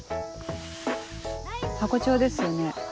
ハコ長ですよね。